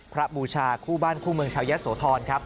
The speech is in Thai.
บูชาคู่บ้านคู่เมืองชาวยะโสธรครับ